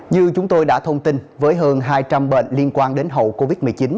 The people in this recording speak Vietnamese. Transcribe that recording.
như chúng tôi đã thông tin với hơn hai trăm linh bệnh liên quan đến hậu covid một mươi chín